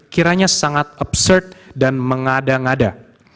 kiranya sangat upsearch dan mengada ngada